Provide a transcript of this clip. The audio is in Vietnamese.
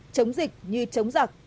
chống dịch như chống giặc